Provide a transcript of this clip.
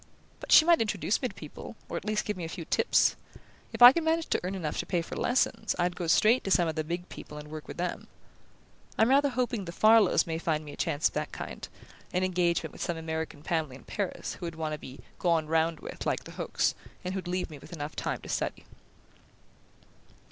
But she might introduce me to people; or at least give me a few tips. If I could manage to earn enough to pay for lessons I'd go straight to some of the big people and work with them. I'm rather hoping the Farlows may find me a chance of that kind an engagement with some American family in Paris who would want to be 'gone round' with like the Hokes, and who'd leave me time enough to study."